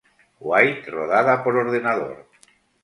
White rodada por ordenador.